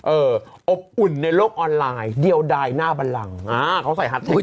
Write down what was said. อบอุ่นในโลกออนไลน์เดียวดายหน้าบันลังอ่าเขาใส่ฮัตเทค